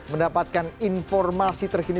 mendapatkan informasi terkini